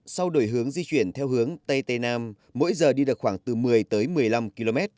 sau đổi hướng di chuyển theo hướng tây tây nam mỗi giờ đi được khoảng từ một mươi tới một mươi năm km